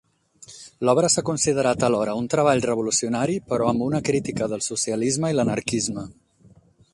L'obra s'ha considerat alhora un treball revolucionari però amb una crítica del socialisme i l'anarquisme.